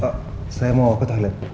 pak saya mau obat toilet